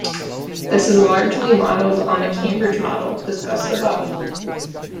This is largely modelled on the Cambridge model, discussed above.